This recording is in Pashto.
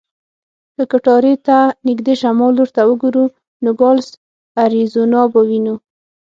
که کټارې ته نږدې شمال لور ته وګورو، نوګالس اریزونا به وینو.